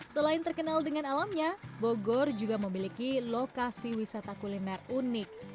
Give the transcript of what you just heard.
selain terkenal dengan alamnya bogor juga memiliki lokasi wisata kuliner unik